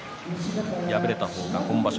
負けた方が今場所